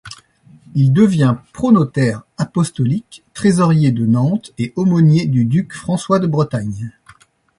Il devient protonotaire apostolique, trésorier de Nantes et aumônier du duc François de Bretagne.